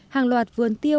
hàng loạt vươn tiêu